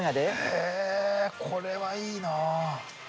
へえこれはいいな。